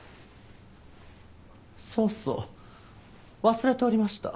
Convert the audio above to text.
そうそう忘れておりました。